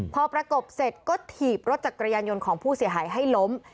พอประกบเสร็จก็ถีบรถจักรยานยนต์ของผู้เสียหายให้ล้ม